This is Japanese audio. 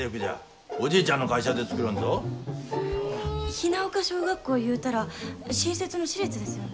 雛丘小学校いうたら新設の市立ですよね？